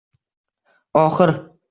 Oxir